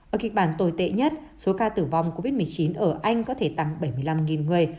ở kịch bản tồi tệ nhất số ca tử vong covid một mươi chín ở anh có thể tăng bảy mươi năm người